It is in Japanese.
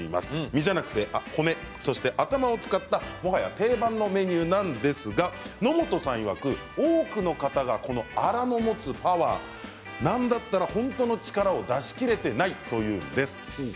身じゃなくて骨や頭を使ったもはや定番のメニューなんですが野本さんいわく多くの方があらの持つパワーなんだったら本当の力を出しきれていないというんです。